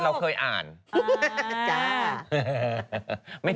ปล่อยให้เบลล่าว่าง